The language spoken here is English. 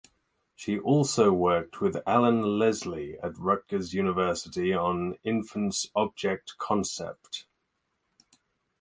She also worked with Alan Leslie at Rutgers University on infants’ object concept.